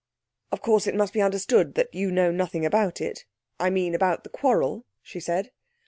'Of course it must be understood that you know nothing about it I mean about the quarrel,' she said.